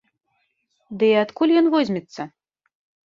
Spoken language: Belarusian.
Ды і адкуль ён возьмецца?!